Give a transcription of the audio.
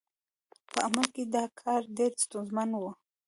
په عمل کې دا کار ډېر ستونزمن و.